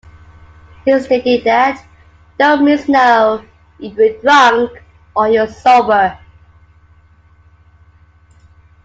He stated that, No means no, if you're drunk or you're sober.